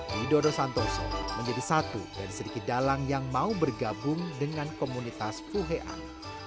widodo santoso menjadi satu dari sedikit dalang yang mau bergabung dengan komunitas fuhean